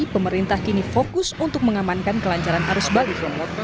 pemerintah kini fokus untuk mengamankan kelancaran arus balik